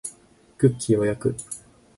クッキーを焼く